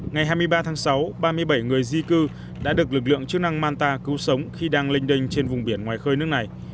ngày hai mươi ba tháng sáu ba mươi bảy người di cư đã được lực lượng chức năng manta cứu sống khi đang linh đênh trên vùng biển ngoài khơi nước này